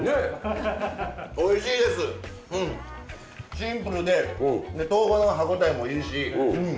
シンプルでとうがんの歯応えもいいし。